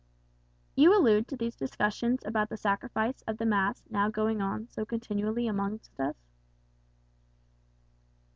"You allude to these discussions about the sacrifice of the mass now going on so continually amongst us?"